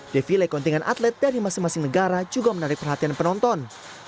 defile kontingen atlet dari masing masing negara juga menarik perhatian penonton